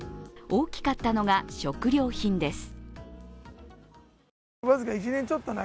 大きかったのが食料品です。